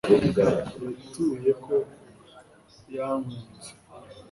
Yatuye ko yankunze